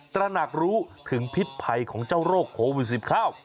ตระหนักรู้ถึงพิษภัยของเจ้าโรคโควิด๑๙